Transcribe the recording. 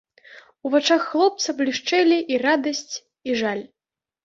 У вачах хлопца блішчэлі і радасць, і жаль.